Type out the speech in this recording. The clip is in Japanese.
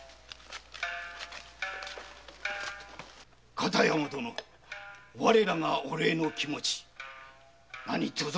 片山殿我らがお礼の気持ち何とぞ